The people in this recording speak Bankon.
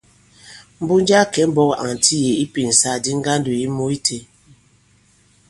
Mbunja a kɛ̀ imbɔ̄k ànti yě ipìnsàgàdi ŋgandò yi mû itē.